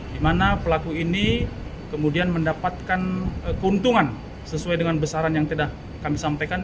di mana pelaku ini kemudian mendapatkan keuntungan sesuai dengan besaran yang tidak kami sampaikan